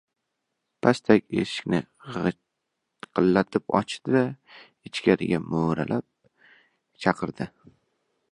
Pastak eshikni g‘iyqillatib ochdi-da, ichkariga mo‘- ralab chaqirdi: